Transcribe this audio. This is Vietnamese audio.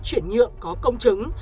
chuyển nhượng có công chứng